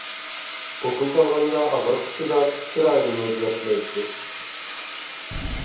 ئوكۇل سالغاندا ئاغرىققا چىداپ، چىرايىنىمۇ ئۆزگەرتمەيتتى.